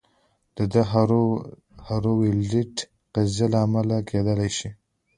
دا د هارو ویلډ قضیې له امله کیدای شي